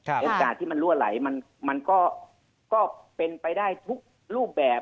โอกาสที่มันรั่วไหลมันก็เป็นไปได้ทุกรูปแบบ